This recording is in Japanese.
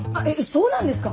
そうなんですか？